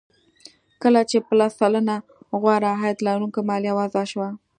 کله چې په لس سلنه غوره عاید لرونکو مالیه وضع شوه